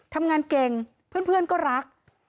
ทำงานเก่งเพื่อนก็รัก